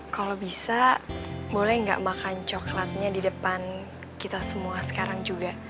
kalau bisa boleh nggak makan coklatnya di depan kita semua sekarang juga